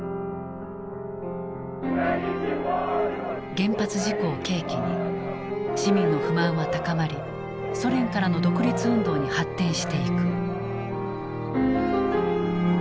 原発事故を契機に市民の不満は高まりソ連からの独立運動に発展していく。